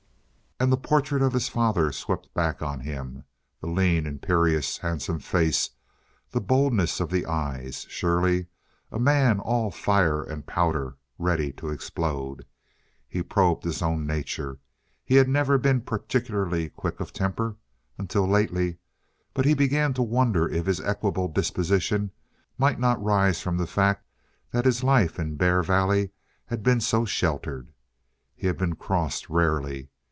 And the portrait of his father swept back on him the lean, imperious, handsome face, the boldness of the eyes. Surely a man all fire and powder, ready to explode. He probed his own nature. He had never been particularly quick of temper until lately. But he began to wonder if his equable disposition might not rise from the fact that his life in Bear Valley had been so sheltered. He had been crossed rarely.